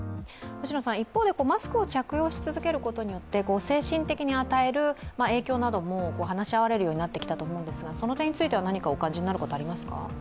一方でマスクを着用し続けることによって精神的に与える影響なども話し合われるようになってきたと思うんですが、その点について何かお感じになることありますか？